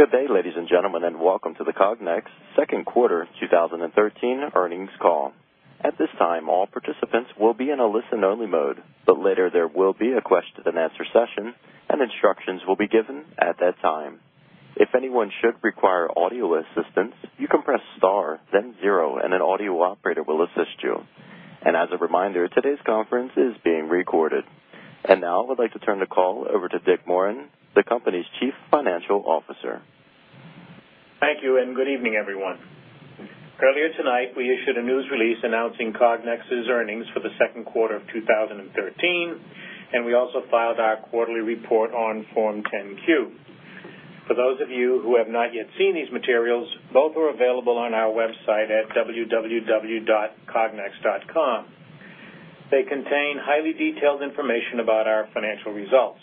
Good day, ladies and gentlemen, and welcome to the Cognex Second Quarter 2013 Earnings Call. At this time, all participants will be in a listen-only mode, but later there will be a question-and-answer session, and instructions will be given at that time. If anyone should require audio assistance, you can press star, then zero, and an audio operator will assist you. And as a reminder, today's conference is being recorded. And now I would like to turn the call over to Dick Morin, the company's Chief Financial Officer. Thank you, and good evening, everyone. Earlier tonight, we issued a news release announcing Cognex's earnings for the second quarter of 2013, and we also filed our quarterly report on Form 10-Q. For those of you who have not yet seen these materials, both are available on our website at www.cognex.com. They contain highly detailed information about our financial results.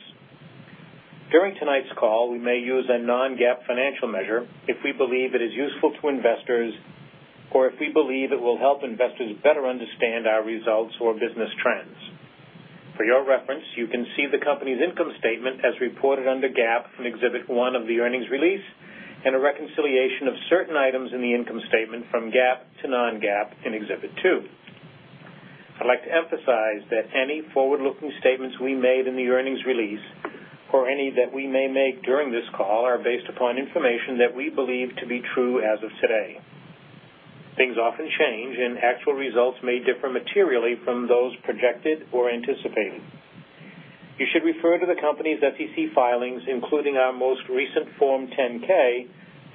During tonight's call, we may use a non-GAAP financial measure if we believe it is useful to investors or if we believe it will help investors better understand our results or business trends. For your reference, you can see the company's income statement as reported under GAAP in Exhibit 1 of the Earnings Release and a reconciliation of certain items in the Income Statement from GAAP to non-GAAP in Exhibit 2. I'd like to emphasize that any forward-looking statements we made in the earnings release or any that we may make during this call are based upon information that we believe to be true as of today. Things often change, and actual results may differ materially from those projected or anticipated. You should refer to the company's SEC filings, including our most recent Form 10-K,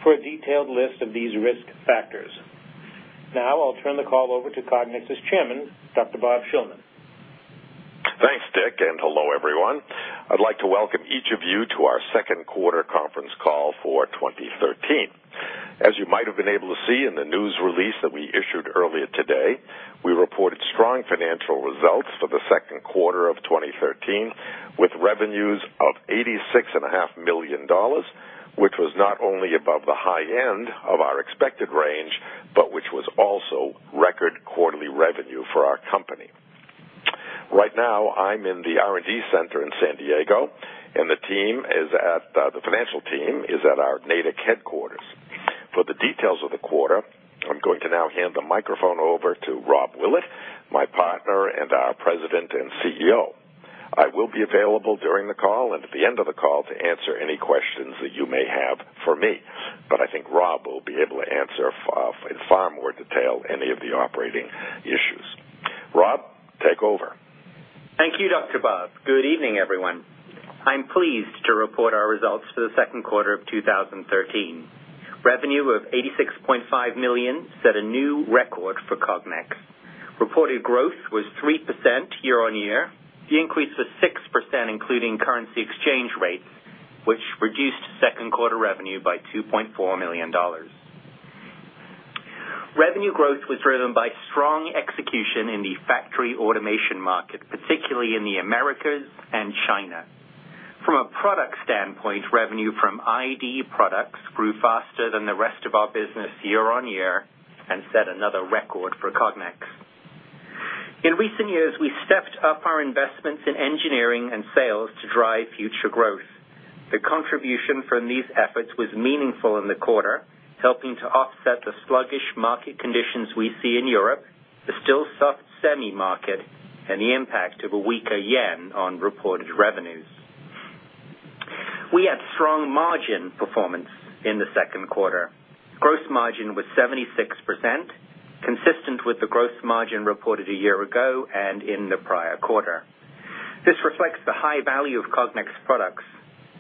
for a detailed list of these risk factors. Now I'll turn the call over to Cognex's chairman, Dr. Bob Shillman. Thanks, Dick, and hello, everyone. I'd like to welcome each of you to our second quarter conference call for 2013. As you might have been able to see in the news release that we issued earlier today, we reported strong financial results for the second quarter of 2013 with revenues of $86.5 million, which was not only above the high end of our expected range, but which was also record quarterly revenue for our company. Right now, I'm in the R&D center in San Diego, and the financial team is at our Natick headquarters. For the details of the quarter, I'm going to now hand the microphone over to Rob Willett, my partner and our President and CEO. I will be available during the call and at the end of the call to answer any questions that you may have for me, but I think Rob will be able to answer in far more detail any of the operating issues. Rob, take over. Thank you, Dr. Bob. Good evening, everyone. I'm pleased to report our results for the second quarter of 2013. Revenue of $86.5 million set a new record for Cognex. Reported growth was 3% year-over-year. The increase was 6%, including currency exchange rates, which reduced second quarter revenue by $2.4 million. Revenue growth was driven by strong execution in the factory automation market, particularly in the Americas and China. From a product standpoint, revenue from ID products grew faster than the rest of our business year-over-year and set another record for Cognex. In recent years, we stepped up our investments in engineering and sales to drive future growth. The contribution from these efforts was meaningful in the quarter, helping to offset the sluggish market conditions we see in Europe, the still soft semi market, and the impact of a weaker yen on reported revenues. We had strong margin performance in the second quarter. Gross margin was 76%, consistent with the gross margin reported a year ago and in the prior quarter. This reflects the high value of Cognex products,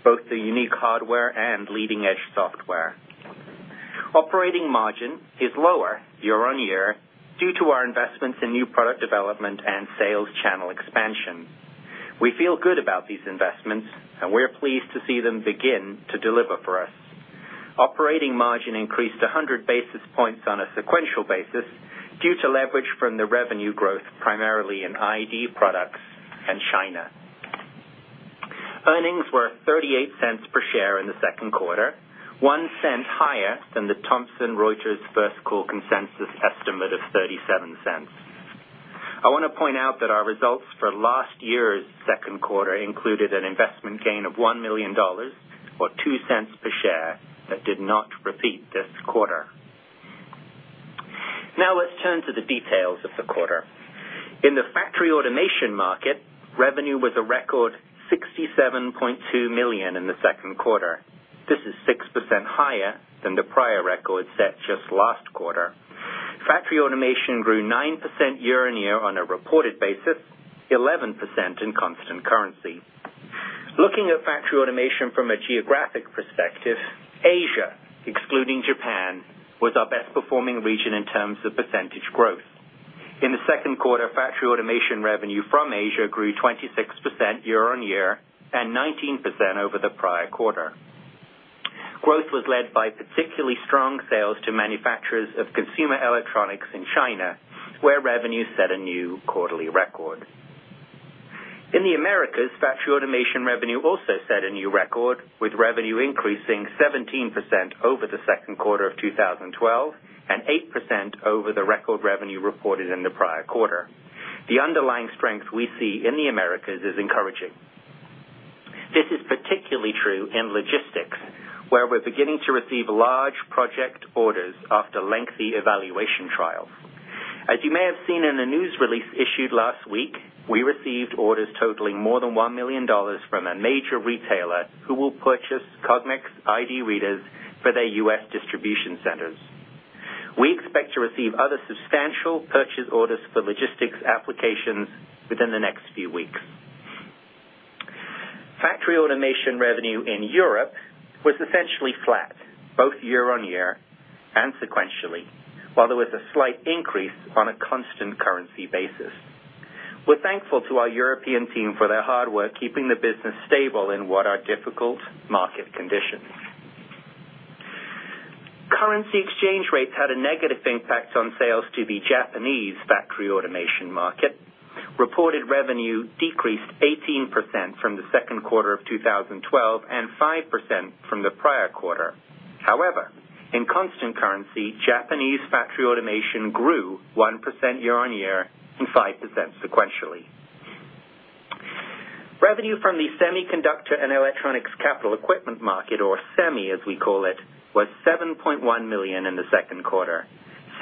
both the unique hardware and leading-edge software. Operating margin is lower year-on-year due to our investments in new product development and sales channel expansion. We feel good about these investments, and we're pleased to see them begin to deliver for us. Operating margin increased 100 basis points on a sequential basis due to leverage from the revenue growth primarily in ID products and China. Earnings were $0.38 per share in the second quarter, one cent higher than the Thomson Reuters First Call consensus estimate of $0.37. I want to point out that our results for last year's second quarter included an investment gain of $1 million or $0.02 per share that did not repeat this quarter. Now let's turn to the details of the quarter. In the factory automation market, revenue was a record $67.2 million in the second quarter. This is 6% higher than the prior record set just last quarter. Factory automation grew 9% year-on-year on a reported basis, 11% in constant currency. Looking at factory automation from a geographic perspective, Asia, excluding Japan, was our best-performing region in terms of percentage growth. In the second quarter, factory automation revenue from Asia grew 26% year-on-year and 19% over the prior quarter. Growth was led by particularly strong sales to manufacturers of consumer electronics in China, where revenue set a new quarterly record. In the Americas, factory automation revenue also set a new record, with revenue increasing 17% over the second quarter of 2012 and 8% over the record revenue reported in the prior quarter. The underlying strength we see in the Americas is encouraging. This is particularly true in logistics, where we're beginning to receive large project orders after lengthy evaluation trials. As you may have seen in the news release issued last week, we received orders totaling more than $1 million from a major retailer who will purchase Cognex ID readers for their U.S. distribution centers. We expect to receive other substantial purchase orders for logistics applications within the next few weeks. Factory Automation Revenue in Europe was essentially flat, both year-over-year and sequentially, while there was a slight increase on a constant currency basis. We're thankful to our European team for their hard work keeping the business stable in what are difficult market conditions. Currency exchange rates had a negative impact on sales to the Japanese factory automation market. Reported revenue decreased 18% from the second quarter of 2012 and 5% from the prior quarter. However, in constant currency, Japanese factory automation grew 1% year-over-year and 5% sequentially. Revenue from the semiconductor and electronics capital equipment market, or SEMI as we call it, was $7.1 million in the second quarter.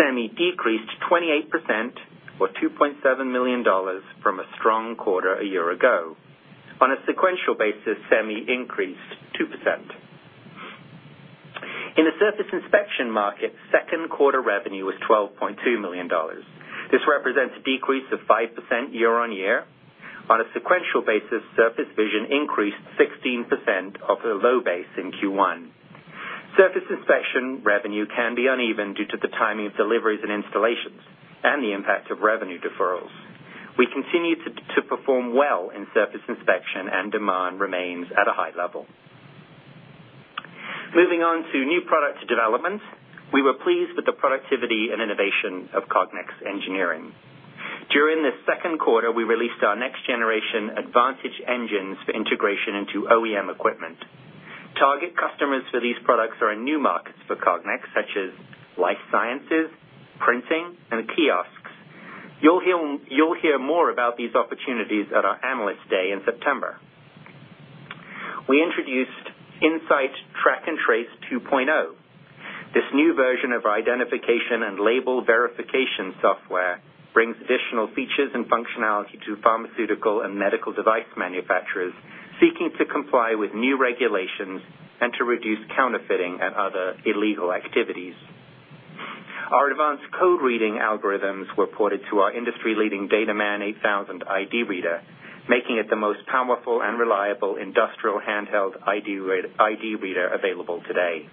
SEMI decreased 28% or $2.7 million from a strong quarter a year ago. On a sequential basis, SEMI increased 2%. In the surface inspection market, second quarter revenue was $12.2 million. This represents a decrease of 5% year-over-year. On a sequential basis, surface vision increased 16% off a low base in Q1. Surface inspection revenue can be uneven due to the timing of deliveries and installations and the impact of revenue deferrals. We continue to perform well in surface inspection, and demand remains at a high level. Moving on to new product development, we were pleased with the productivity and innovation of Cognex engineering. During the second quarter, we released our next generation Advantage engines for integration into OEM equipment. Target customers for these products are in new markets for Cognex, such as life sciences, printing, and kiosks. You'll hear more about these opportunities at our analyst day in September. We introduced In-Sight Track & Trace 2.0. This new version of identification and label verification software brings additional features and functionality to pharmaceutical and medical device manufacturers seeking to comply with new regulations and to reduce counterfeiting and other illegal activities. Our advanced code reading algorithms were ported to our industry-leading DataMan 8000 ID reader, making it the most powerful and reliable industrial handheld ID reader available today.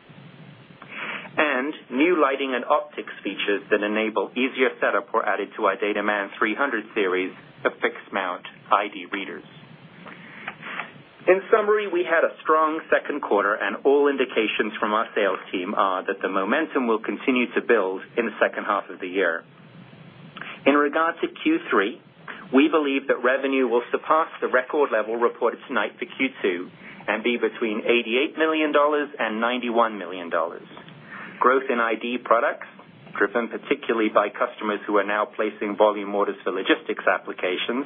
New lighting and optics features that enable easier setup were added to our DataMan 300 series of fixed-mount ID readers. In summary, we had a strong second quarter, and all indications from our sales team are that the momentum will continue to build in the second half of the year. In regard to Q3, we believe that revenue will surpass the record level reported tonight for Q2 and be between $88 million and $91 million. Growth in ID products, driven particularly by customers who are now placing volume orders for logistics applications,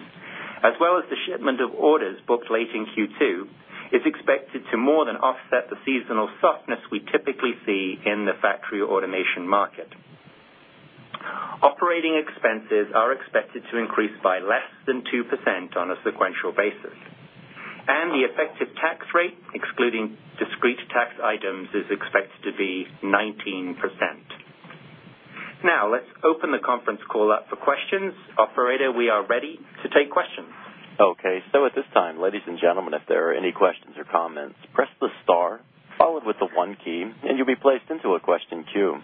as well as the shipment of orders booked late in Q2, is expected to more than offset the seasonal softness we typically see in the factory automation market. Operating expenses are expected to increase by less than 2% on a sequential basis. The effective tax rate, excluding discrete tax items, is expected to be 19%. Now let's open the conference call up for questions. Operator, we are ready to take questions. Okay. So at this time, ladies and gentlemen, if there are any questions or comments, press the star, followed with the one key, and you'll be placed into a question queue.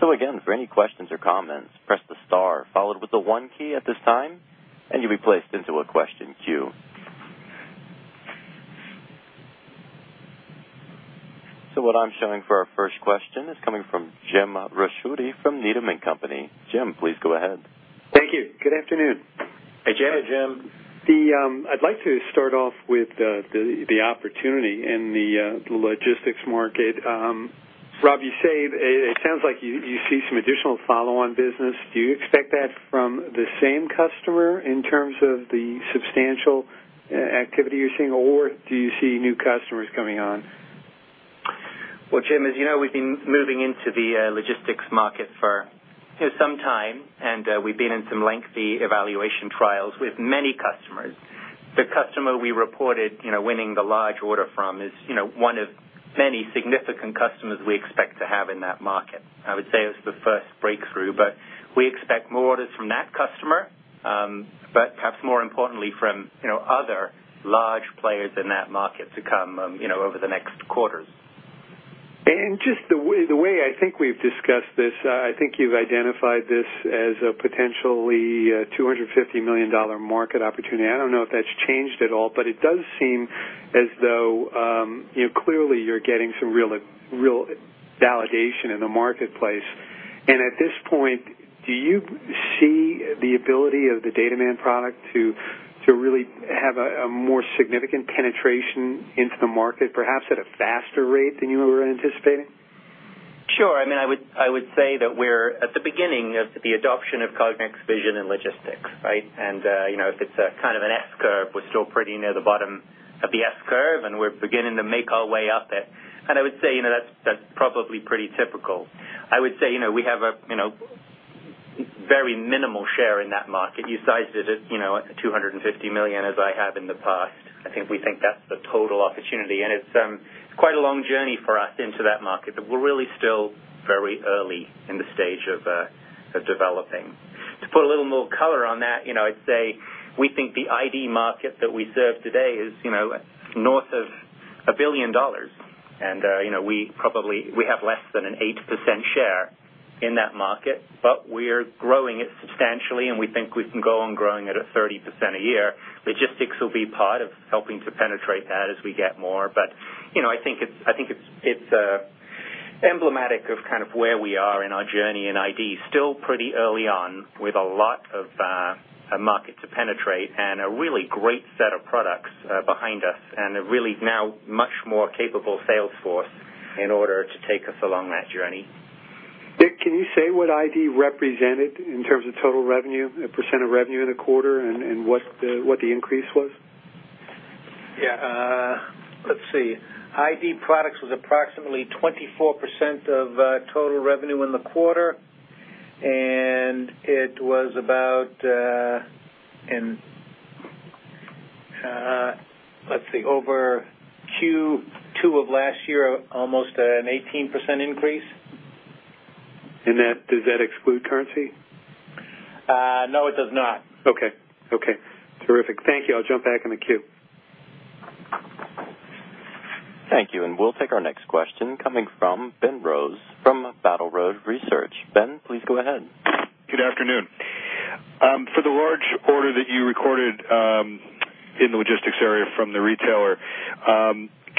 So again, for any questions or comments, press the star, followed with the one key at this time, and you'll be placed into a question queue. So what I'm showing for our first question is coming from Jim Ricchiuti from Needham & Company. Jim, please go ahead. Thank you. Good afternoon. Hey, Jim. I'd like to start off with the opportunity in the logistics market. Rob, you say it sounds like you see some additional follow-on business. Do you expect that from the same customer in terms of the substantial activity you're seeing, or do you see new customers coming on? Well, Jim, as you know, we've been moving into the logistics market for some time, and we've been in some lengthy evaluation trials with many customers. The customer we reported winning the large order from is one of many significant customers we expect to have in that market. I would say it was the first breakthrough, but we expect more orders from that customer, but perhaps more importantly from other large players in that market to come over the next quarters. Just the way I think we've discussed this, I think you've identified this as a potentially $250 million market opportunity. I don't know if that's changed at all, but it does seem as though clearly you're getting some real validation in the marketplace. At this point, do you see the ability of the DataMan product to really have a more significant penetration into the market, perhaps at a faster rate than you were anticipating? Sure. I mean, I would say that we're at the beginning of the adoption of Cognex vision in logistics, right? And if it's a kind of an S-curve, we're still pretty near the bottom of the S-curve, and we're beginning to make our way up it. And I would say that's probably pretty typical. I would say we have a very minimal share in that market. You sized it at $250 million as I have in the past. I think we think that's the total opportunity, and it's quite a long journey for us into that market, but we're really still very early in the stage of developing. To put a little more color on that, I'd say we think the ID market that we serve today is north of $1 billion, and we probably have less than an 8% share in that market, but we're growing it substantially, and we think we can go on growing it at 30% a year. Logistics will be part of helping to penetrate that as we get more, but I think it's emblematic of kind of where we are in our journey in ID. Still pretty early on with a lot of market to penetrate and a really great set of products behind us and a really now much more capable sales force in order to take us along that journey. Can you say what ID represented in terms of total revenue, a percent of revenue in the quarter, and what the increase was? Yeah. Let's see. ID products was approximately 24% of total revenue in the quarter, and it was about, let's see, over Q2 of last year, almost an 18% increase. Does that exclude currency? No, it does not. Okay. Okay. Terrific. Thank you. I'll jump back in the queue. Thank you. And we'll take our next question coming from Ben Rose from Battle Road Research. Ben, please go ahead. Good afternoon. For the large order that you recorded in the logistics area from the retailer,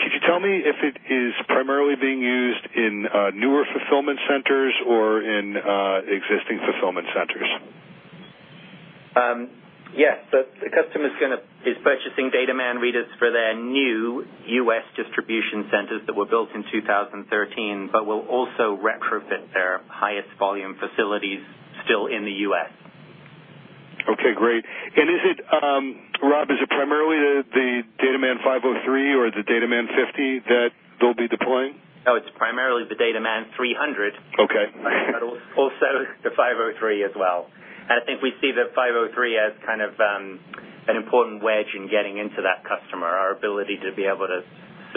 could you tell me if it is primarily being used in newer fulfillment centers or in existing fulfillment centers? Yes. The customer is purchasing DataMan readers for their new U.S. distribution centers that were built in 2013, but will also retrofit their highest volume facilities still in the U.S. Okay. Great. And is it, Rob, is it primarily the DataMan 503 or the DataMan 50 that they'll be deploying? No, it's primarily the DataMan 300, but also the 503 as well. I think we see the 503 as kind of an important wedge in getting into that customer. Our ability to be able to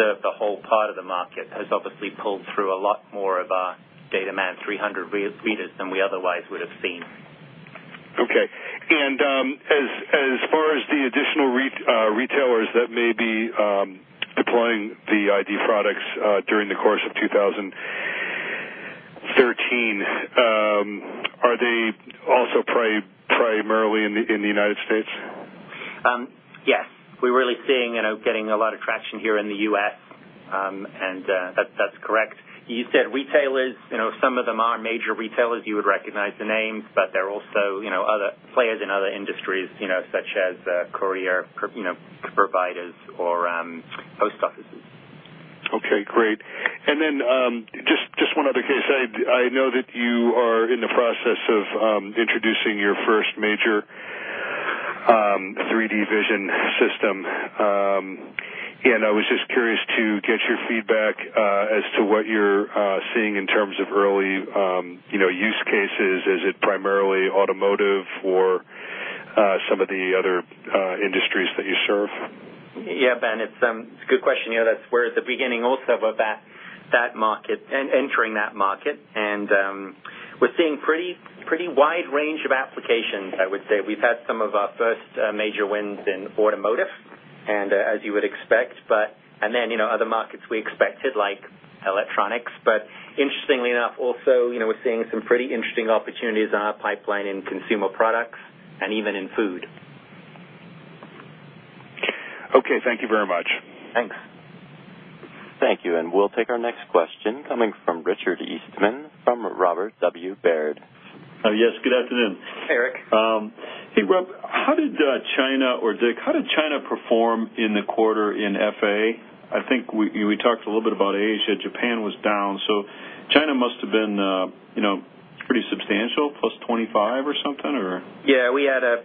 serve the whole part of the market has obviously pulled through a lot more of our DataMan 300 readers than we otherwise would have seen. Okay. As far as the additional retailers that may be deploying the ID products during the course of 2013, are they also primarily in the United States? Yes. We're really seeing getting a lot of traction here in the U.S., and that's correct. You said retailers, some of them are major retailers. You would recognize the names, but there are also players in other industries such as courier providers, or post offices. Okay. Great. And then just one other case. I know that you are in the process of introducing your first major 3D vision system, and I was just curious to get your feedback as to what you're seeing in terms of early use cases. Is it primarily automotive or some of the other industries that you serve? Yeah, Ben, it's a good question. That's where the beginning also of that market, entering that market, and we're seeing a pretty wide range of applications, I would say. We've had some of our first major wins in automotive, and as you would expect, and then other markets we expected like electronics. But interestingly enough, also we're seeing some pretty interesting opportunities in our pipeline in consumer products and even in food. Okay. Thank you very much. Thanks. Thank you. And we'll take our next question coming from Richard Eastman from Robert W. Baird. Yes. Good afternoon. Hey, Rick. Hey, Rob. How did China or how did China perform in the quarter in FA? I think we talked a little bit about Asia. Japan was down. So China must have been pretty substantial, +25 or something, or? Yeah. We had a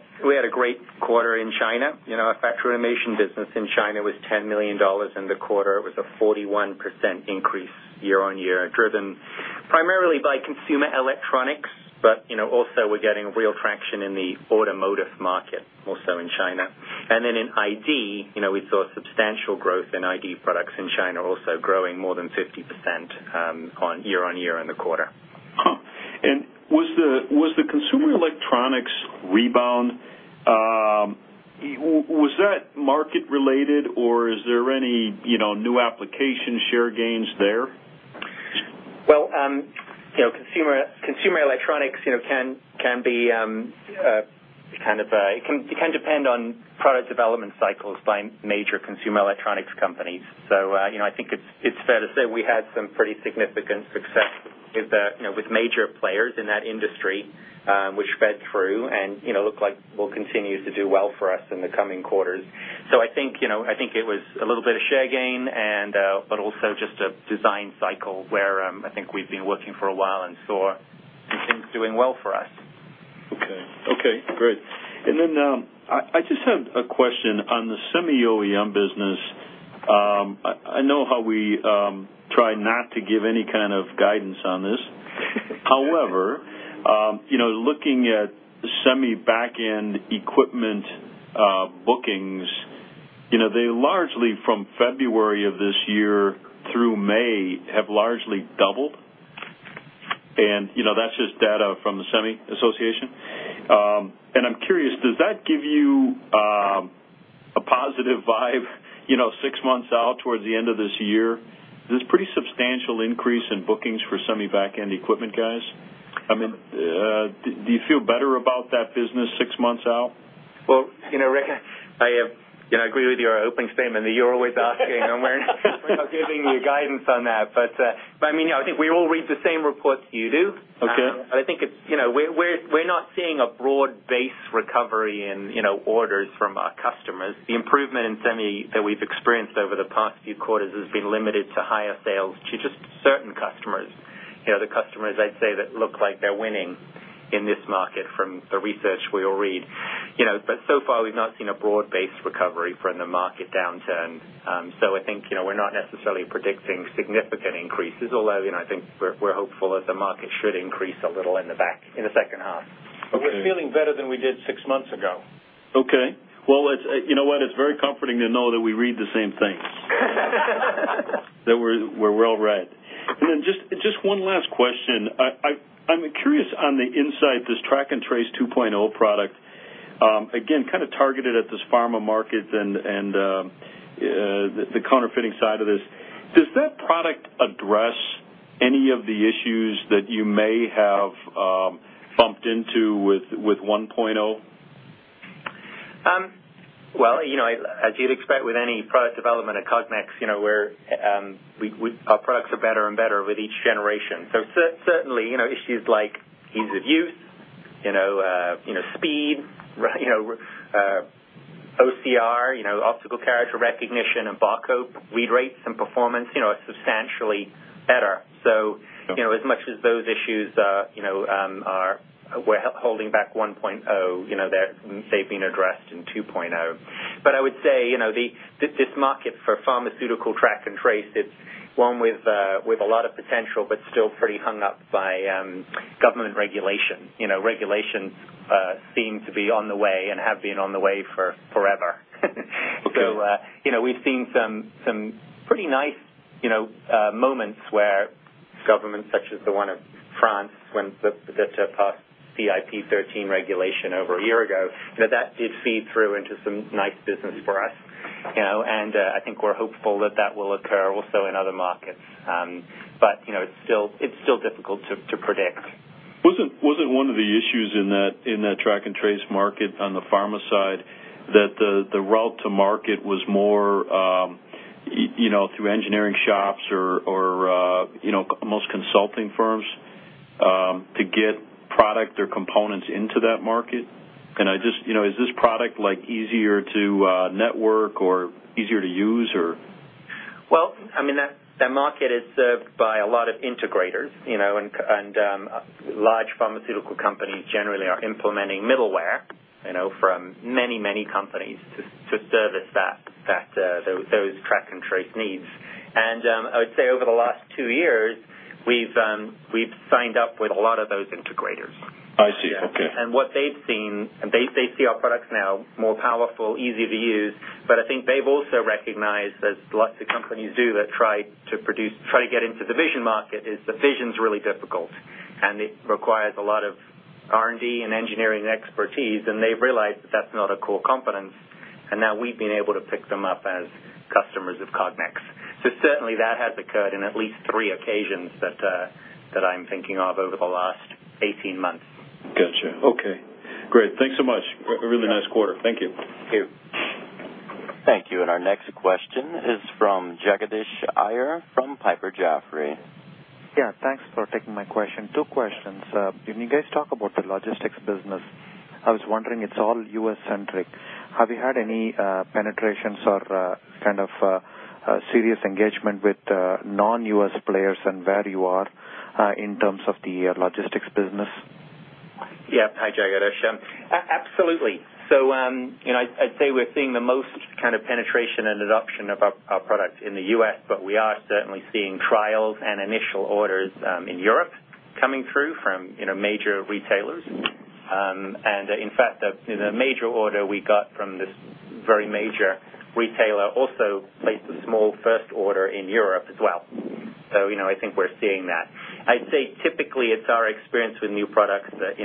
great quarter in China. Our factory automation business in China was $10 million in the quarter. It was a 41% increase year-on-year, driven primarily by consumer electronics, but also we're getting real traction in the automotive market, also in China. And then in ID, we saw substantial growth in ID products in China, also growing more than 50% year-on-year in the quarter. Was the consumer electronics rebound, was that market-related, or is there any new application share gains there? Well, consumer electronics can be kind of, it can depend on product development cycles by major consumer electronics companies. So I think it's fair to say we had some pretty significant success with major players in that industry, which fed through and looked like will continue to do well for us in the coming quarters. So I think it was a little bit of share gain, but also just a design cycle where I think we've been working for a while and saw things doing well for us. Okay. Okay. Great. And then I just have a question on the semi OEM business. I know how we try not to give any kind of guidance on this. However, looking at semi back-end equipment bookings, they largely from February of this year through May have largely doubled, and that's just data from the semi association. And I'm curious, does that give you a positive vibe six months out towards the end of this year? There's a pretty substantial increase in bookings for semi back-end equipment guys. I mean, do you feel better about that business six months out? Well, Rick, I agree with your opening statement that you're always asking. We're not giving you guidance on that, but I mean, I think we all read the same reports you do. But I think it's we're not seeing a broad-based recovery in orders from our customers. The improvement in SEMI that we've experienced over the past few quarters has been limited to higher sales to just certain customers, the customers I'd say that look like they're winning in this market from the research we all read. But so far, we've not seen a broad-based recovery from the market downturn. So I think we're not necessarily predicting significant increases, although I think we're hopeful that the market should increase a little in the back in the second half. We're feeling better than we did six months ago. Okay. Well, you know what? It's very comforting to know that we read the same thing, that we're well-read. Then just one last question. I'm curious on the In-Sight, this Track & Trace 2.0 product, again, kind of targeted at this pharma market and the counterfeiting side of this. Does that product address any of the issues that you may have bumped into with 1.0? Well, as you'd expect with any product development at Cognex, our products are better and better with each generation. So certainly, issues like ease of use, speed, OCR, optical character recognition, and barcode read rates and performance are substantially better. So as much as those issues are holding back 1.0, they've been addressed in 2.0. But I would say this market for pharmaceutical track and trace, it's one with a lot of potential, but still pretty hung up by government regulation. Regulations seem to be on the way and have been on the way forever. So we've seen some pretty nice moments where governments, such as the one of France, when they passed CIP 13 regulation over a year ago, that did feed through into some nice business for us. And I think we're hopeful that that will occur also in other markets, but it's still difficult to predict. Wasn't one of the issues in that track and trace market on the pharma side that the route to market was more through engineering shops or most consulting firms to get product or components into that market? Is this product easier to network or easier to use, or? Well, I mean, that market is served by a lot of integrators, and large pharmaceutical companies generally are implementing middleware from many, many companies to service those track and trace needs. And I would say over the last two years, we've signed up with a lot of those integrators. I see. Okay. What they've seen, they see our products now more powerful, easy to use, but I think they've also recognized, as lots of companies do that try to get into the vision market, is the vision's really difficult, and it requires a lot of R&D and engineering expertise, and they've realized that that's not a core competence. And now we've been able to pick them up as customers of Cognex. So certainly, that has occurred in at least three occasions that I'm thinking of over the last 18 months. Gotcha. Okay. Great. Thanks so much. A really nice quarter. Thank you. Thank you. Thank you. And our next question is from Jagadish Iyer from Piper Jaffray. Yeah. Thanks for taking my question. 2 questions. When you guys talk about the logistics business, I was wondering it's all U.S.-centric. Have you had any penetrations or kind of serious engagement with non-U.S. players and where you are in terms of the logistics business? Yeah. Hi, Jagadish. Absolutely. So I'd say we're seeing the most kind of penetration and adoption of our product in the U.S., but we are certainly seeing trials and initial orders in Europe coming through from major retailers. And in fact, the major order we got from this very major retailer also placed a small first order in Europe as well. So I think we're seeing that. I'd say typically, it's our experience with new products that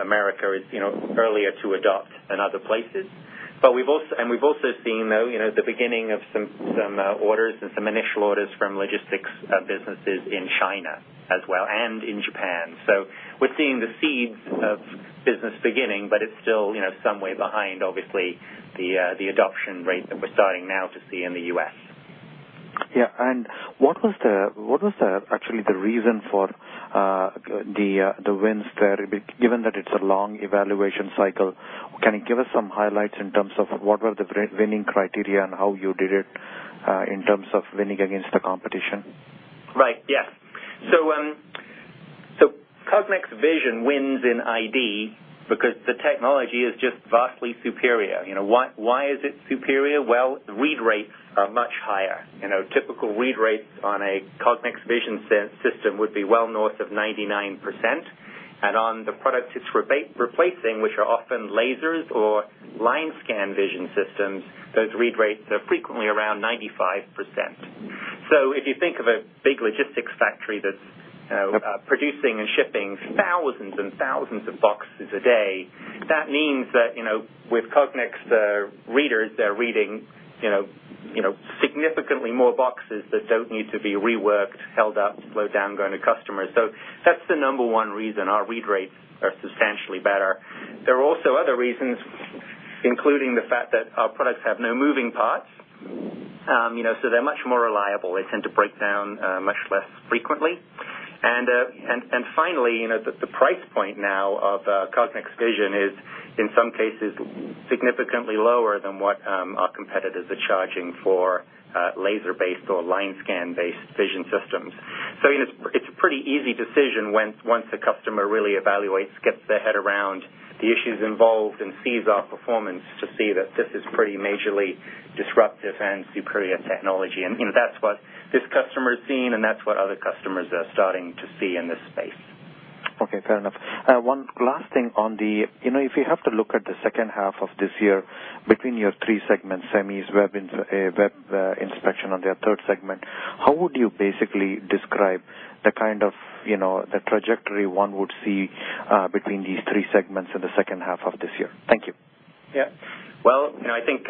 America is earlier to adopt than other places. And we've also seen, though, the beginning of some orders and some initial orders from logistics businesses in China as well and in Japan. So we're seeing the seeds of business beginning, but it's still some way behind, obviously, the adoption rate that we're starting now to see in the U.S. Yeah. What was actually the reason for the wins there, given that it's a long evaluation cycle? Can you give us some highlights in terms of what were the winning criteria and how you did it in terms of winning against the competition? Right. Yes. So Cognex Vision wins in ID because the technology is just vastly superior. Why is it superior? Well, the read rates are much higher. Typical read rates on a Cognex Vision system would be well north of 99%. And on the products it's replacing, which are often lasers or line scan vision systems, those read rates are frequently around 95%. So if you think of a big logistics factory that's producing and shipping thousands and thousands of boxes a day, that means that with Cognex readers, they're reading significantly more boxes that don't need to be reworked, held up, slowed down, going to customers. So that's the number one reason our read rates are substantially better. There are also other reasons, including the fact that our products have no moving parts, so they're much more reliable. They tend to break down much less frequently. And finally, the price point now of Cognex Vision is, in some cases, significantly lower than what our competitors are charging for laser-based or line scan-based vision systems. So it's a pretty easy decision once a customer really evaluates, gets their head around the issues involved, and sees our performance to see that this is pretty majorly disruptive and superior technology. And that's what this customer's seeing, and that's what other customers are starting to see in this space. Okay. Fair enough. One last thing: if you have to look at the second half of this year between your three segments, semis, web inspection, and their third segment, how would you basically describe the kind of trajectory one would see between these three segments in the second half of this year? Thank you. Yeah. Well, I think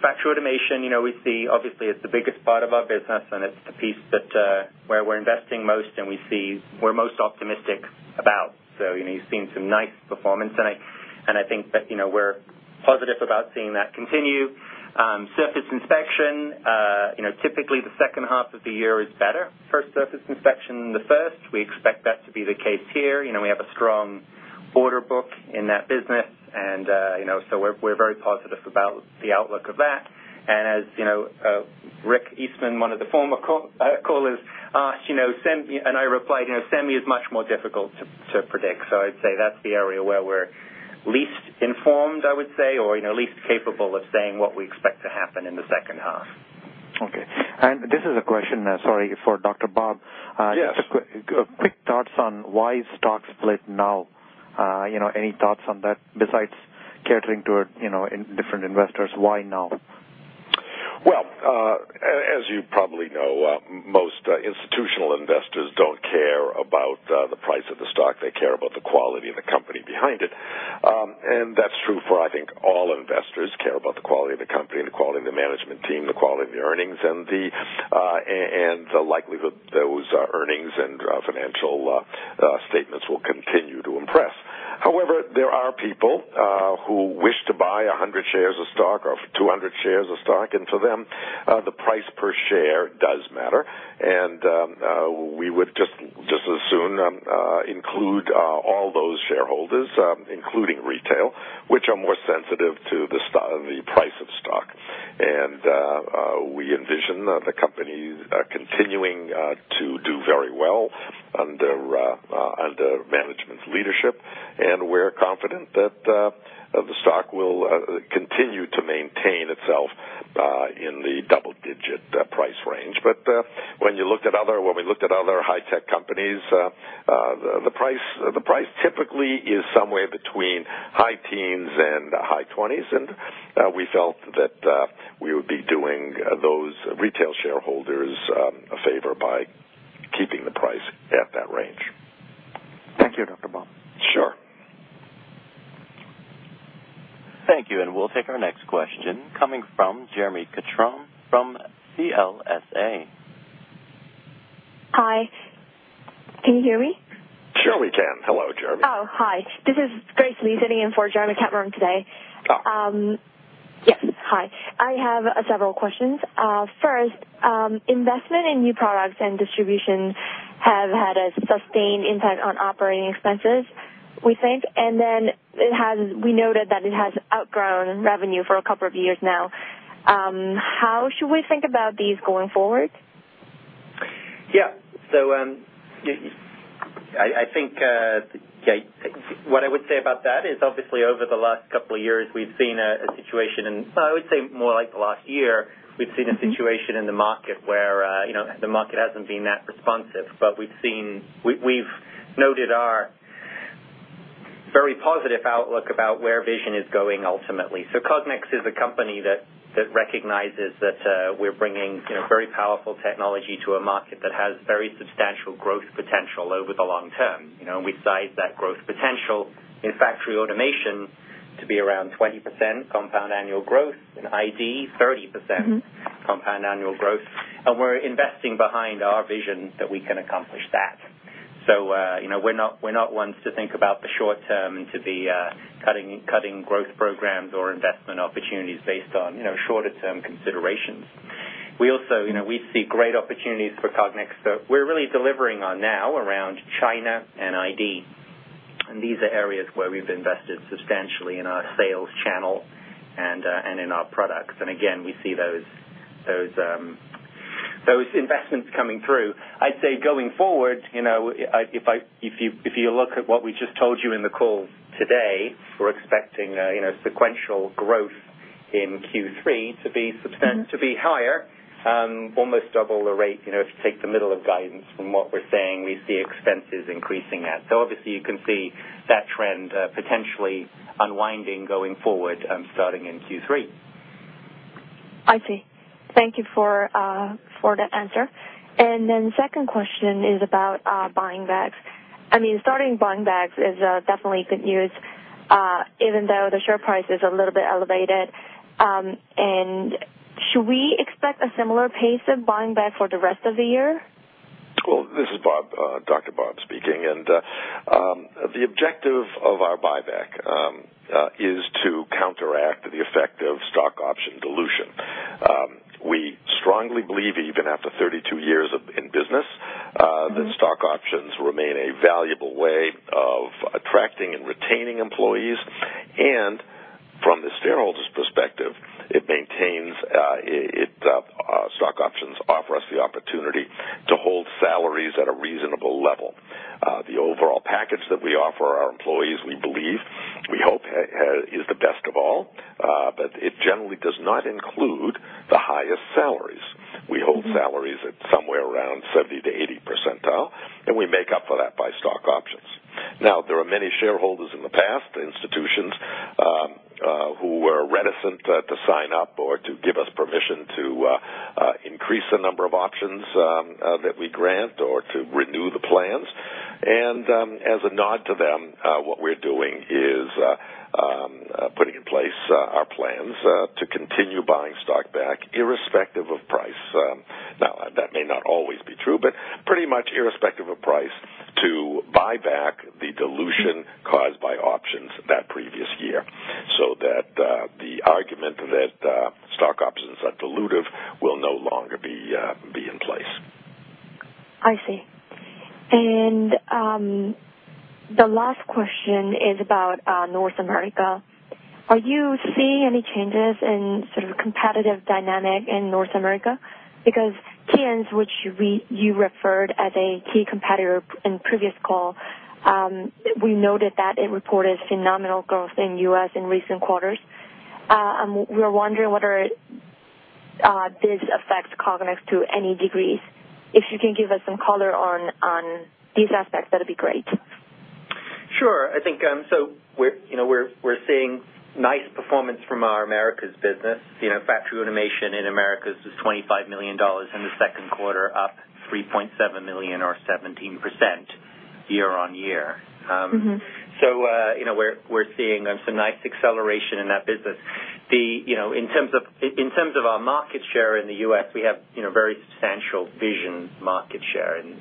factory automation, obviously, is the biggest part of our business, and it's the piece where we're investing most, and we're most optimistic about. So you've seen some nice performance, and I think that we're positive about seeing that continue. Surface inspection, typically, the second half of the year is better. First surface inspection the first. We expect that to be the case here. We have a strong order book in that business, and so we're very positive about the outlook of that. And as Rick Eastman, one of the former callers, asked, and I replied, "Semi is much more difficult to predict." So I'd say that's the area where we're least informed, I would say, or least capable of saying what we expect to happen in the second half. Okay. This is a question, sorry, for Dr. Bob. Yes. Just quick thoughts on why stock split now? Any thoughts on that besides catering to different investors? Why now? Well, as you probably know, most institutional investors don't care about the price of the stock. They care about the quality of the company behind it. And that's true for, I think, all investors care about the quality of the company, the quality of the management team, the quality of the earnings, and the likelihood those earnings and financial statements will continue to impress. However, there are people who wish to buy 100 shares of stock or 200 shares of stock, and for them, the price per share does matter. And we would just as soon include all those shareholders, including retail, which are more sensitive to the price of stock. And we envision the company continuing to do very well under management's leadership, and we're confident that the stock will continue to maintain itself in the double-digit price range. But when we looked at other high-tech companies, the price typically is somewhere between high teens and high twenties, and we felt that we would be doing those retail shareholders a favor by keeping the price at that range. Thank you, Dr. Bob. Sure. Thank you. And we'll take our next question coming from Jérémie Capron from CLSA. Hi. Can you hear me? Sure, we can. Hello, Jérémie. Oh, hi. This is Grace Lee sitting in for Jérémie Capron today. Yes. Hi. I have several questions. First, investment in new products and distribution have had a sustained impact on operating expenses, we think. And then we noted that it has outgrown revenue for a couple of years now. How should we think about these going forward? Yeah. So I think what I would say about that is, obviously, over the last couple of years, we've seen a situation in, well, I would say more like the last year, we've seen a situation in the market where the market hasn't been that responsive. But we've noted our very positive outlook about where vision is going ultimately. So Cognex is a company that recognizes that we're bringing very powerful technology to a market that has very substantial growth potential over the long term. We sized that growth potential in factory automation to be around 20% compound annual growth and ID 30% compound annual growth. And we're investing behind our vision that we can accomplish that. So we're not ones to think about the short term and to be cutting growth programs or investment opportunities based on shorter-term considerations. We see great opportunities for Cognex. So we're really delivering on now around China and ID. And these are areas where we've invested substantially in our sales channel and in our products. And again, we see those investments coming through. I'd say going forward, if you look at what we just told you in the call today, we're expecting sequential growth in Q3 to be higher, almost double the rate. If you take the middle of guidance from what we're saying, we see expenses increasing at. So obviously, you can see that trend potentially unwinding going forward starting in Q3. I see. Thank you for that answer. And then the second question is about buying back. I mean, starting buying back is definitely good news, even though the share price is a little bit elevated. And should we expect a similar pace of buying back for the rest of the year? Well, this is Dr. Bob speaking. And the objective of our buyback is to counteract the effect of stock option dilution. We strongly believe, even after 32 years in business, that stock options remain a valuable way of attracting and retaining employees. And from the shareholders' perspective, it maintains stock options offer us the opportunity to hold salaries at a reasonable level. The overall package that we offer our employees, we believe, we hope is the best of all, but it generally does not include the highest salaries. We hold salaries at somewhere around 70-80 percentile, and we make up for that by stock options. Now, there are many shareholders in the past, institutions, who were reticent to sign up or to give us permission to increase the number of options that we grant or to renew the plans. And as a nod to them, what we're doing is putting in place our plans to continue buying stock back irrespective of price. Now, that may not always be true, but pretty much irrespective of price to buy back the dilution caused by options that previous year so that the argument that stock options are dilutive will no longer be in place. I see. And the last question is about North America. Are you seeing any changes in sort of competitive dynamic in North America? Because Keyence, which you referred as a key competitor in previous call, we noted that it reported phenomenal growth in U.S. in recent quarters. We're wondering whether this affects Cognex to any degrees. If you can give us some color on these aspects, that would be great. Sure. I think so we're seeing nice performance from our Americas business. Factory automation in Americas is $25 million in the second quarter, up $3.7 million or 17% year-over-year. So we're seeing some nice acceleration in that business. In terms of our market share in the U.S., we have very substantial vision market share in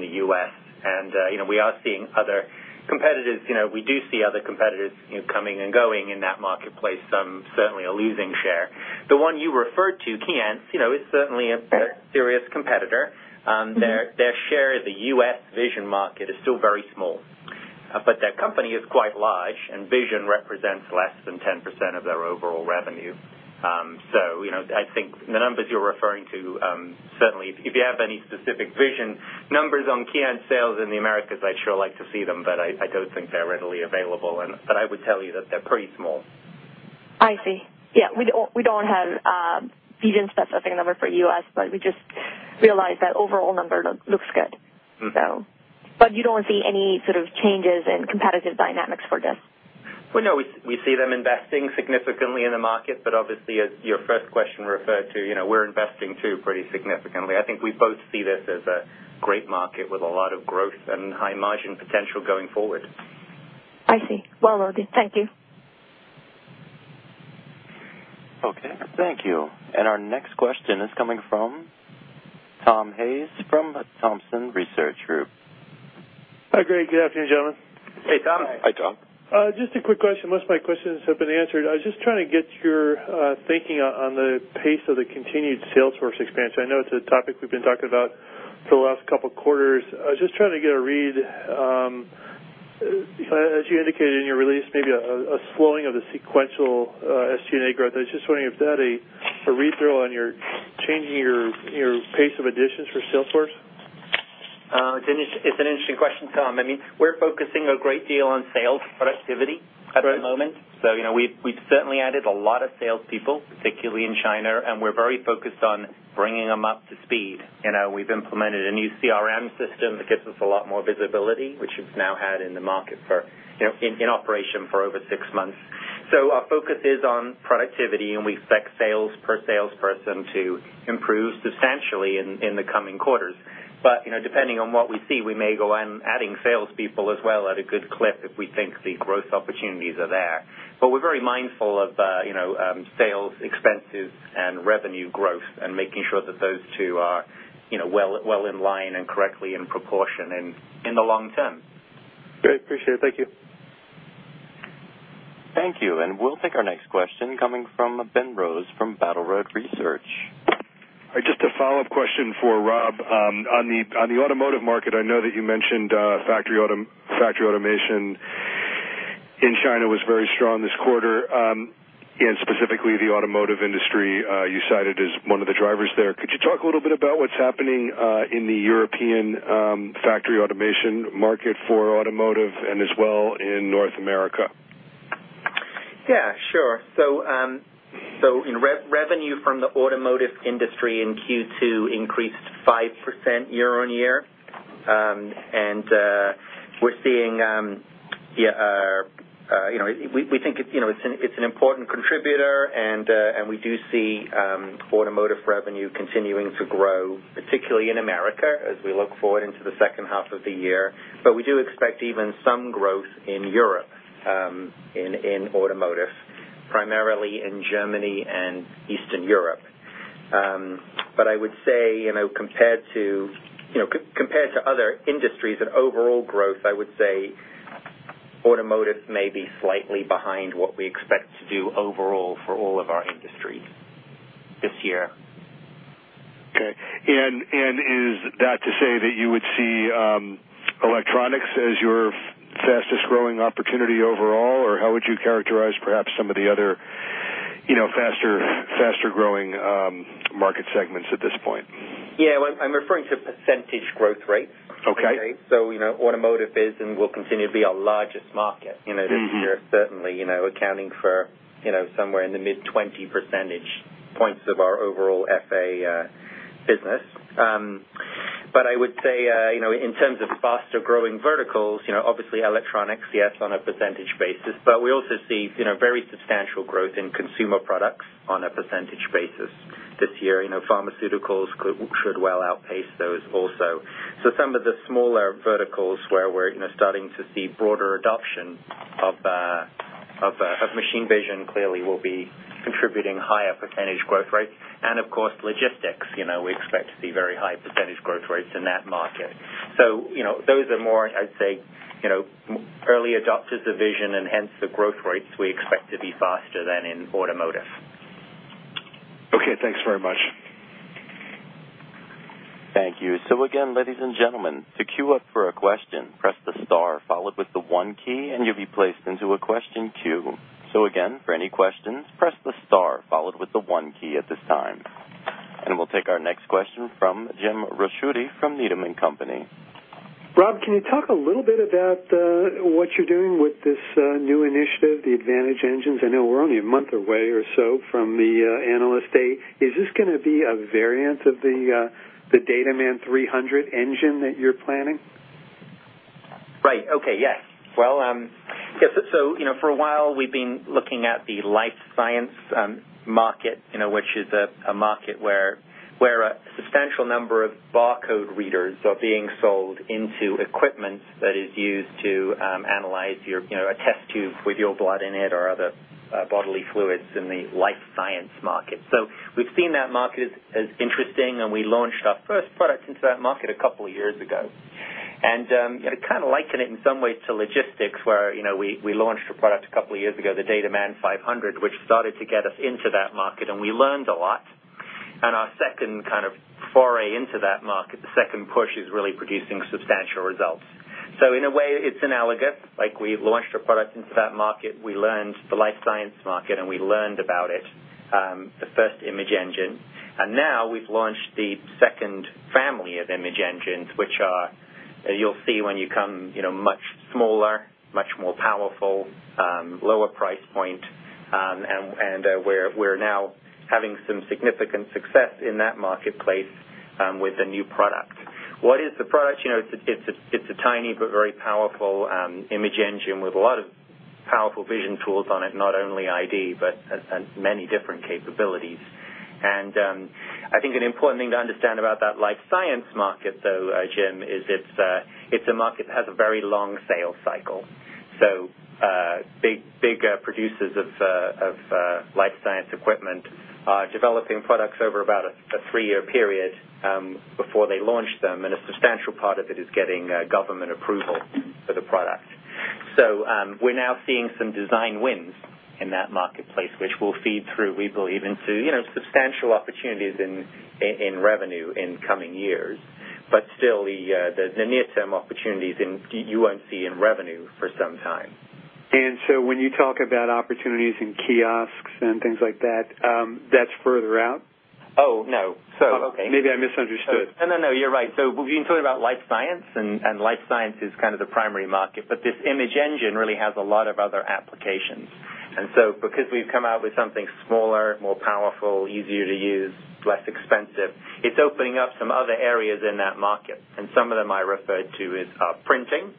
the U.S. And we are seeing other competitors. We do see other competitors coming and going in that marketplace, some certainly a losing share. The one you referred to, Keyence, is certainly a serious competitor. Their share in the U.S. vision market is still very small, but their company is quite large, and vision represents less than 10% of their overall revenue. So I think the numbers you're referring to, certainly, if you have any specific vision numbers on Keyence sales in the Americas, I'd sure like to see them, but I don't think they're readily available. But I would tell you that they're pretty small. I see. Yeah. We don't have vision specific number for U.S., but we just realized that overall number looks good, so. But you don't see any sort of changes in competitive dynamics for this? Well, no. We see them investing significantly in the market, but obviously, as your first question referred to, we're investing too pretty significantly. I think we both see this as a great market with a lot of growth and high margin potential going forward. I see. Well, thank you. Okay. Thank you. And our next question is coming from Tom Hayes from Thompson Research Group. Hi,. Good afternoon, gentlemen. Hey, Tom. Hi, Tom. Just a quick question. Most of my questions have been answered. I was just trying to get your thinking on the pace of the continued sales force expansion. I know it's a topic we've been talking about for the last couple of quarters. I was just trying to get a read, as you indicated in your release, maybe a slowing of the sequential SG&A growth. I was just wondering if that had a read-through on your changing your pace of additions for sales force? It's an interesting question, Tom. I mean, we're focusing a great deal on sales productivity at the moment. So we've certainly added a lot of salespeople, particularly in China, and we're very focused on bringing them up to speed. We've implemented a new CRM system that gives us a lot more visibility, which we've now had in the market in operation for over six months. So our focus is on productivity, and we expect sales per salesperson to improve substantially in the coming quarters. But depending on what we see, we may go on adding salespeople as well at a good clip if we think the growth opportunities are there. But we're very mindful of sales expenses and revenue growth and making sure that those two are well in line and correctly in proportion in the long term. Great. Appreciate it. Thank you. Thank you. We'll take our next question coming from Ben Rose from Battle Road Research. Just a follow-up question for Rob. On the automotive market, I know that you mentioned factory automation in China was very strong this quarter, and specifically the automotive industry you cited as one of the drivers there. Could you talk a little bit about what's happening in the European factory automation market for automotive and as well in North America? Yeah, sure. So revenue from the automotive industry in Q2 increased 5% year-on-year. And we're seeing we think it's an important contributor, and we do see automotive revenue continuing to grow, particularly in America as we look forward into the second half of the year. But we do expect even some growth in Europe in automotive, primarily in Germany and Eastern Europe. But I would say compared to other industries and overall growth, I would say automotive may be slightly behind what we expect to do overall for all of our industries this year. Okay. Is that to say that you would see electronics as your fastest-growing opportunity overall, or how would you characterize perhaps some of the other faster-growing market segments at this point? Yeah. I'm referring to percentage growth rates. So automotive is and will continue to be our largest market. This year, certainly accounting for somewhere in the mid-20 percentage points of our overall FA business. But I would say in terms of faster-growing verticals, obviously electronics, yes, on a percentage basis. But we also see very substantial growth in consumer products on a percentage basis this year. Pharmaceuticals should well outpace those also. So some of the smaller verticals where we're starting to see broader adoption of machine vision clearly will be contributing higher percentage growth rates. And of course, logistics, we expect to see very high percentage growth rates in that market. So those are more, I'd say, early adopters of vision and hence the growth rates we expect to be faster than in automotive. Okay. Thanks very much. Thank you. So again, ladies and gentlemen, to queue up for a question, press the star followed with the one key, and you'll be placed into a question queue. So again, for any questions, press the star followed with the one key at this time. And we'll take our next question from Jim Ricchiuti from Needham & Company. Rob, can you talk a little bit about what you're doing with this new initiative, the Advantage engines? I know we're only a month away or so from the Analyst Day. Is this going to be a variant of the DataMan 300 engine that you're planning? Right. Okay. Yes. Well, yes. So for a while, we've been looking at the life science market, which is a market where a substantial number of barcode readers are being sold into equipment that is used to analyze a test tube with your blood in it or other bodily fluids in the life science market. So we've seen that market as interesting, and we launched our first product into that market a couple of years ago. And it kind of likened it in some ways to logistics where we launched a product a couple of years ago, the DataMan 500, which started to get us into that market. And we learned a lot. And our second kind of foray into that market, the second push, is really producing substantial results. So in a way, it's analogous. We launched a product into that market. We learned the life science market, and we learned about it, the first image engine. Now we've launched the second family of image engines, which you'll see when you come much smaller, much more powerful, lower price point. We're now having some significant success in that marketplace with the new product. What is the product? It's a tiny but very powerful image engine with a lot of powerful vision tools on it, not only ID, but many different capabilities. I think an important thing to understand about that life science market, though, Jim, is it's a market that has a very long sales cycle. So big producers of life science equipment are developing products over about a three-year period before they launch them. A substantial part of it is getting government approval for the product. So we're now seeing some design wins in that marketplace, which will feed through, we believe, into substantial opportunities in revenue in coming years. But still, the near-term opportunities you won't see in revenue for some time. When you talk about opportunities in kiosks and things like that, that's further out? Oh, no. So okay. Maybe I misunderstood. No, no, no. You're right. So we've been talking about life science, and life science is kind of the primary market. But this image engine really has a lot of other applications. And so because we've come out with something smaller, more powerful, easier to use, less expensive, it's opening up some other areas in that market. And some of them I referred to as printing.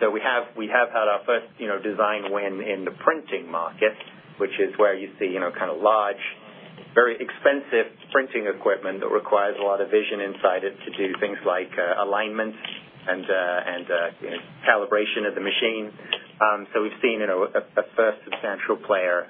So we have had our first design win in the printing market, which is where you see kind of large, very expensive printing equipment that requires a lot of vision inside it to do things like alignment and calibration of the machine. So we've seen a first substantial player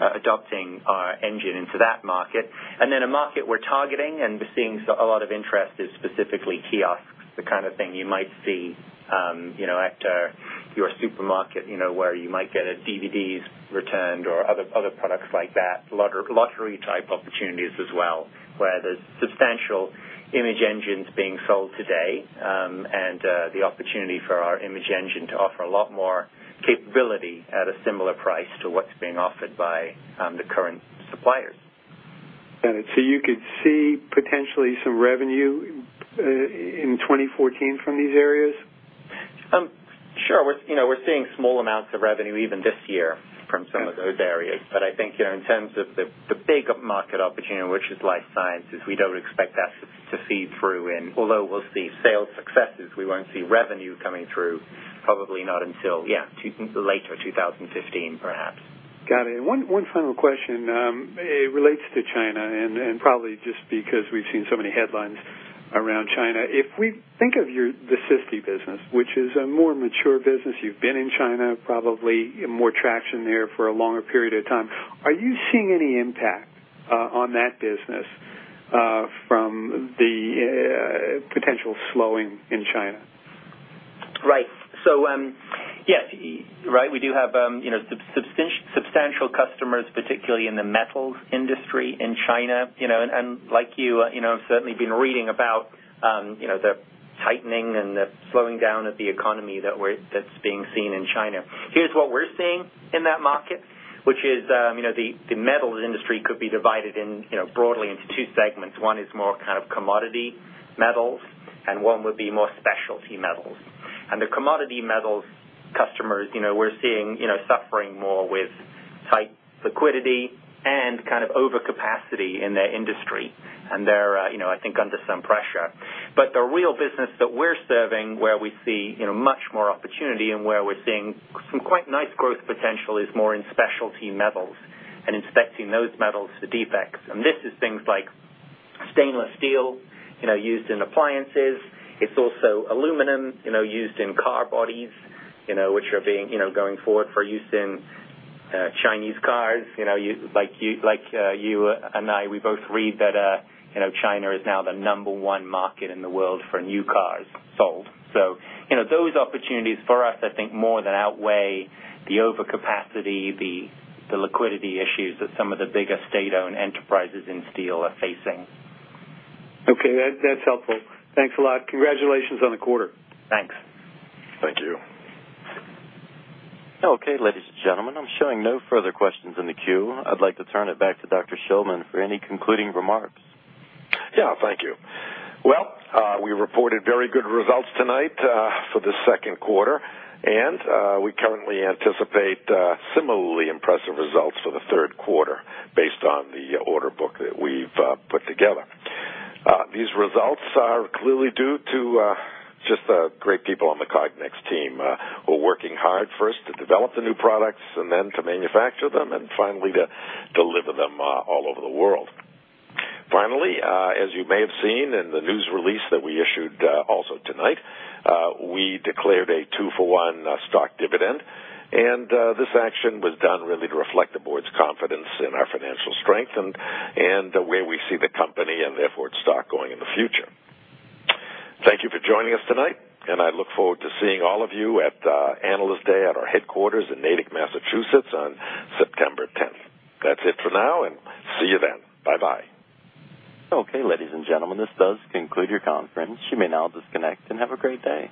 adopting our engine into that market. And then a market we're targeting and seeing a lot of interest is specifically kiosks, the kind of thing you might see at your supermarket where you might get a DVDs returned or other products like that, lottery-type opportunities as well, where there's substantial image engines being sold today and the opportunity for our image engine to offer a lot more capability at a similar price to what's being offered by the current suppliers. Got it. So you could see potentially some revenue in 2014 from these areas? Sure. We're seeing small amounts of revenue even this year from some of those areas. But I think in terms of the big market opportunity, which is life sciences, we don't expect that to feed through in. Although we'll see sales successes, we won't see revenue coming through, probably not until, yeah, later 2015, perhaps. Got it. One final question. It relates to China and probably just because we've seen so many headlines around China. If we think of the SISD business, which is a more mature business, you've been in China probably more traction there for a longer period of time. Are you seeing any impact on that business from the potential slowing in China? Right. So yes, right. We do have substantial customers, particularly in the metals industry in China. Like you, I've certainly been reading about the tightening and the slowing down of the economy that's being seen in China. Here's what we're seeing in that market, which is, the metals industry could be divided broadly into two segments. One is more kind of commodity metals, and one would be more specialty metals. The commodity metals customers, we're seeing suffering more with tight liquidity and kind of overcapacity in their industry. They're, I think, under some pressure. But the real business that we're serving, where we see much more opportunity and where we're seeing some quite nice growth potential, is more in specialty metals and inspecting those metals for defects. This is things like stainless steel used in appliances. It's also aluminum used in car bodies, which are going forward for use in Chinese cars. Like you and I, we both read that China is now the number one market in the world for new cars sold. So those opportunities for us, I think, more than outweigh the overcapacity, the liquidity issues that some of the biggest state-owned enterprises in steel are facing. Okay. That's helpful. Thanks a lot. Congratulations on the quarter. Thanks. Thank you. Okay. Ladies and gentlemen, I'm showing no further questions in the queue. I'd like to turn it back to Dr. Shillman for any concluding remarks. Yeah. Thank you. Well, we reported very good results tonight for the second quarter. And we currently anticipate similarly impressive results for the third quarter based on the order book that we've put together. These results are clearly due to just the great people on the Cognex team who are working hard first to develop the new products and then to manufacture them and finally to deliver them all over the world. Finally, as you may have seen in the news release that we issued also tonight, we declared a two-for-one stock dividend. And this action was done really to reflect the board's confidence in our financial strength and where we see the company and therefore its stock going in the future. Thank you for joining us tonight. And I look forward to seeing all of you at Analyst Day at our headquarters in Natick, Massachusetts, on September 10th. That's it for now. And see you then. Bye-bye. Okay. Ladies and gentlemen, this does conclude your conference. You may now disconnect and have a great day.